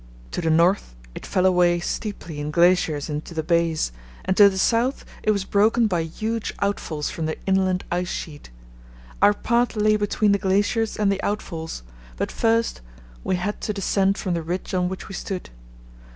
To the north it fell away steeply in glaciers into the bays, and to the south it was broken by huge outfalls from the inland ice sheet. Our path lay between the glaciers and the outfalls, but first we had to descend from the ridge on which we stood.